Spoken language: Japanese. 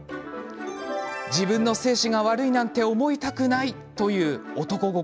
自分の精子が悪いなんて思いたくないという男心。